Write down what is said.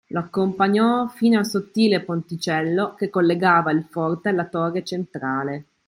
Lo accompagnò fino al sottile ponticello che collegava il forte alla torre centrale.